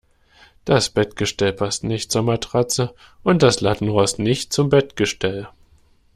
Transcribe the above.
Das Bettgestell passt nicht zur Matratze und das Lattenrost nicht zum Bettgestell.